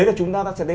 rồi chúng ta sẽ thấy